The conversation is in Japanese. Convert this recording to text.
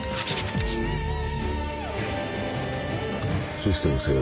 システム制圧